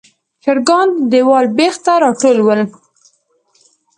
چرګان د دیواله بیخ ته راټول ول.